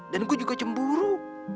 dan gue juga cemburu